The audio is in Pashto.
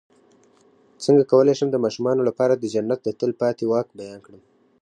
څنګه کولی شم د ماشومانو لپاره د جنت د تل پاتې واک بیان کړم